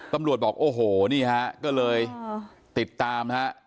ตำรวจบอกโอ้โหนี่ฮะก็เลยติดตามฮะ